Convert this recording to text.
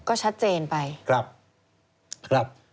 ก็ชัดเจนไปครับ